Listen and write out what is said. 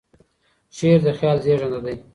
شعر د خیال زېږنده دی.